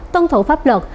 tuân thủ pháp luật